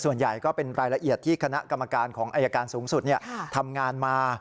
ส่วนใหญ่ก็เป็นรายละเอียดที่คณะกรรมการของอายการสูงสุดทำงานมา